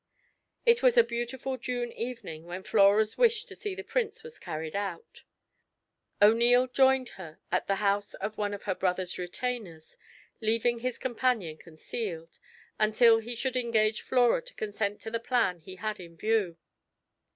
It was a beautiful June evening when Flora's wish to see the Prince was carried out. O'Neil joined her at the house of one of her brother's retainers, leaving his companion concealed, until he should engage Flora to consent to the plan he had in view.